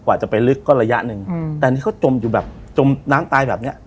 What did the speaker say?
กว่าจะไปลึกก็ระยะหนึ่งอืมแต่อันนี้เขาจมอยู่แบบจมน้ำตายแบบเนี้ย